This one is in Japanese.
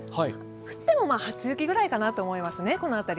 降っても初雪ぐらいかなと思いますね、この辺り。